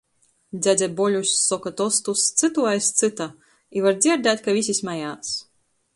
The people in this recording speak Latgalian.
Dzjadze Boļuss soka tostus, cytu aiz cyta, i var dzierdēt, ka vysi smejās.